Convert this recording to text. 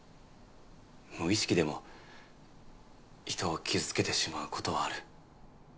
無意識でも人を傷つけてしまうことはある。